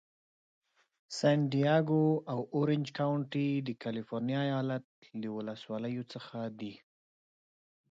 سن دیاګو او اورینج کونټي د کالفرنیا ایالت له ولسوالیو څخه دي.